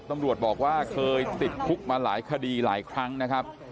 ตำรวจบอกว่าเคยติดคุกมาหลายคดีหลายครั้งนะครับ